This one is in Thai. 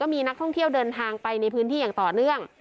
มีนักท่องเที่ยวเดินทางไปในพื้นที่อย่างต่อเนื่อง